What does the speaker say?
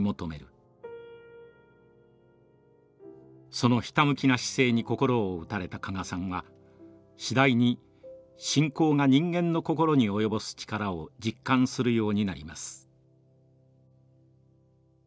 そのひたむきな姿勢にこころを打たれた加賀さんは次第に信仰が人間のこころに及ぼす力を実感するようになります。